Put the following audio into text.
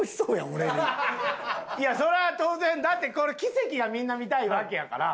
いやそりゃあ当然だってこれ奇跡がみんな見たいわけやから。